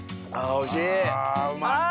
おいしい！